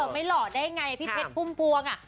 ไม่หล่อได้ไงพี่เพชรพุ่มพวงอ่ะ